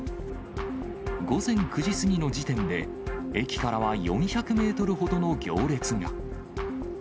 午前９時過ぎの時点で、駅からは４００メートルほどの行列が。